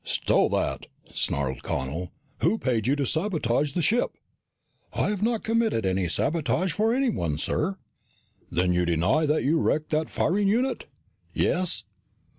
"Stow that," snarled Connel. "Who paid you to sabotage the ship?" "I have not committed any sabotage for anyone, sir." "Then you deny that you wrecked that firing unit?" "Yes."